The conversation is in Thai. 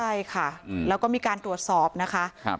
ใช่ค่ะแล้วก็มีการตรวจสอบนะคะ